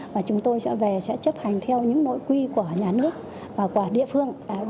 và chúng tôi sẽ về sẽ chấp hành theo những nội quy của nhà nước và của địa phương